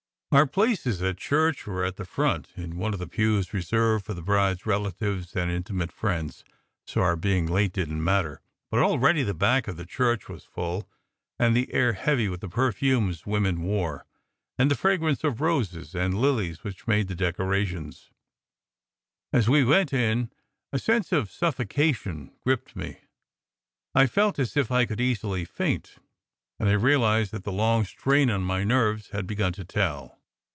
Our places at church were at the front, in one of the pews reserved for the bride s relatives and intimate friends, SECRET HISTORY 185 so our being late didn t matter. But already the back part of the church was full, and the air heavy with the perfumes women wore, and the fragrance of roses and lilies which made the decorations. As we went in, a sense of suffocation gripped me. I felt as if I could easily faint, and I realized that the long strain on my nerves had begun to tell.